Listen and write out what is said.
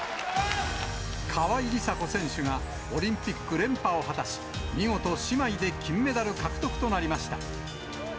川井梨紗子選手がオリンピック連覇を果たし、見事、姉妹で金メダル獲得となりました。